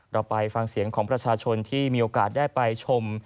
เราไปฟังเสียงของประชาชนที่มีโอกาสได้ไปชม